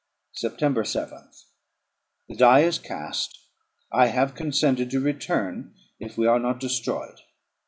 September 7th. The die is cast; I have consented to return, if we are not destroyed.